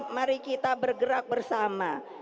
mari kita bergerak bersama